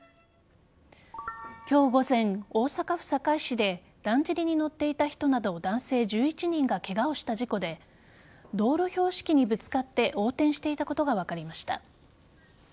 今日午前、大阪府堺市でだんじりに乗っていた人など男性１１人がケガをした事故で道路標識にぶつかって横転していたことが分かりました。